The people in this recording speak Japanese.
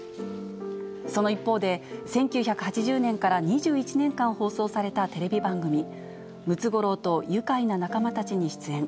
その一方で、１９８０年から２１年間放送されたテレビ番組、ムツゴロウとゆかいな仲間たちに出演。